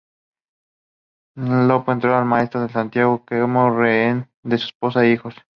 Lopo entregó al maestro de Santiago como rehenes a su esposa e hijos.